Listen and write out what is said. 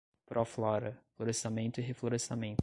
Proflora – Florestamento e Reflorestamento